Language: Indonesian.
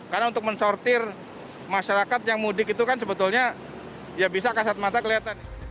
karena untuk mensortir masyarakat yang mudik itu kan sebetulnya ya bisa kasat mata kelihatan